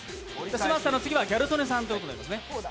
嶋佐さんの次はギャル曽根さんということになりますね。